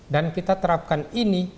dan kita terapkan ini